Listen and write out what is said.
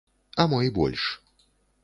А мо і больш.